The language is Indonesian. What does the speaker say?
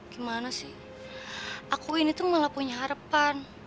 gimana sih aku ini tuh malah punya harapan